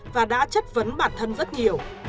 và đã chất vấn bản thân rất nhiều